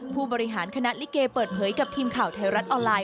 ผู้บริหารคณะลิเกเปิดเผยกับทีมข่าวไทยรัฐออนไลน